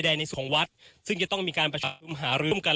ในส่วนของวัดซึ่งจะต้องมีการประชุมหารื้มกัน